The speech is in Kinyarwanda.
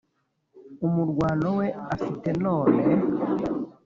umurwano we afite none,